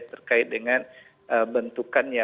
terkait dengan bentukannya